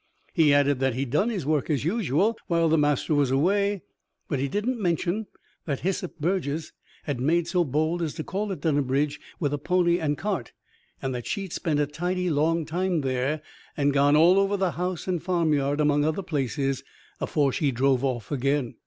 He added that he'd done his work as usual while the master was away; but he didn't mention that Hyssop Burges had made so bold as to call at Dunnabridge with a pony and cart, and that she'd spent a tidy long time there, and gone all over the house and farmyard, among other places, afore she drove off again.